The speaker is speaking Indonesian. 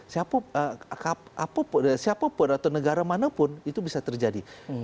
siapapun atau negara manapun itu bisa terjadi